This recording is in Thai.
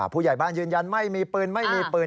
ผู้ใหญ่บ้านยืนยันไม่มีปืนไม่มีปืน